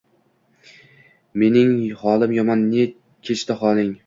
Mening holim yomon, ne kechdi holing?